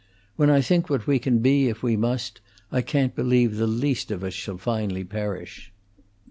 When I think what we can be if we must, I can't believe the least of us shall finally perish."